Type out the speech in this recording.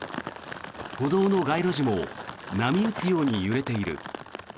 歩道の街路樹も波打つように揺れている。